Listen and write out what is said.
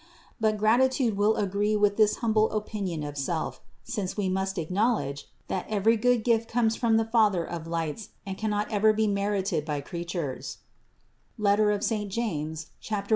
But gratitude will agree with this humble opinion of self, since we must acknowledge, that every good gift comes from the Father of lights and cannot ever be merited by creatures (James 1, 17).